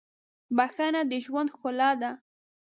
• بښنه د ژوند ښکلا ده.